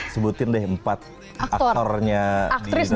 sebutin deh empat aktornya di drama korea